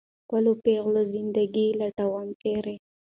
ښکلو پېغلو زنده ګي لټوم ، چېرې ؟